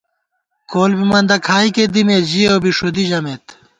کول بی مندہ کھائیکے دِمېک ژِیَؤ بی ݭُدی ژَمېک